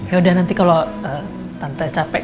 yaudah nanti kalau tante capek